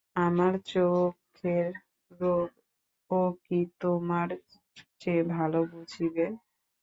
আমার চোখের রোগ ও কি তোমার চেয়ে ভালো বুঝিবে।